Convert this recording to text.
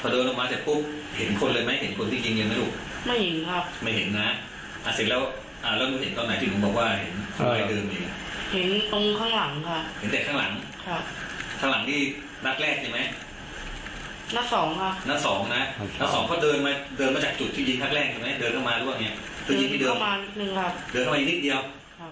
เดินลงมาด้วยอย่างนี้เดินลงมานิดนิดเดียว